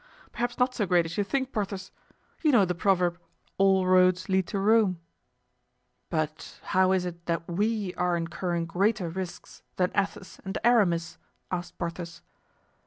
perhaps not so great as you think, Porthos; you know the proverb, 'All roads lead to Rome.'" "But how is it that we are incurring greater risks than Athos and Aramis?" asked Porthos.